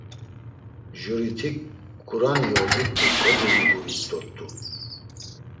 Juritik ǩurani ozit̆u kodevugurit dort̆u.